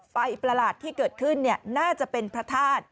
ประหลาดที่เกิดขึ้นน่าจะเป็นพระธาตุ